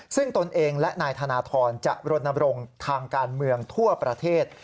ซึ่งตนเองและนายธนทรจะรณบรงค์ทางการเมืองทั่วประเทศ